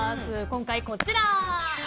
今回、こちら。